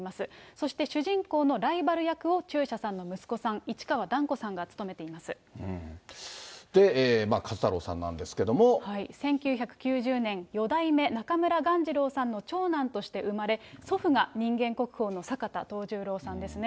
そして主人公のライバル役を中車さんの息子さん、で、１９９０年、四代目中村鴈治郎さんの長男として生まれ、祖父が人間国宝の坂田藤十郎さんですね。